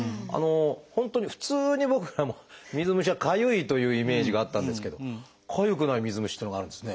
本当に普通に僕ら水虫はかゆいというイメージがあったんですけどかゆくない水虫っていうのがあるんですね。